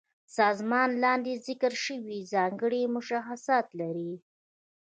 سازمان لاندې ذکر شوي ځانګړي مشخصات لري.